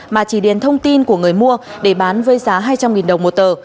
mà chỉ điền thông tin của người mua để bán với giá hai trăm linh đồng một tờ